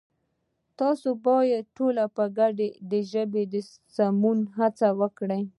تاسو بايد ټول په گډه د ژبې د سمون هڅه وکړئ!